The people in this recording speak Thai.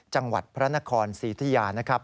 จังหวัดพระนครศรีธุยานะครับ